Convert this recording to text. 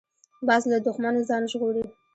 باز له دوښمنو ځان ژغوري